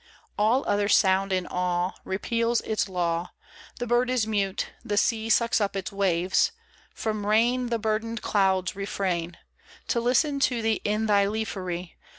All other sound in awe Repeals its law ; The bird is mute, the sea Sucks up its waves, from rain The burthened clouds refrain. To listen to thee in thy leafery.